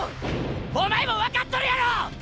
おまえもわかっとるやろ！！